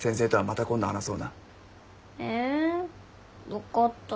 分かった。